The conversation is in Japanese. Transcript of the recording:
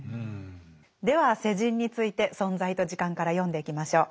では世人について「存在と時間」から読んでいきましょう。